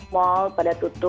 mall pada tutup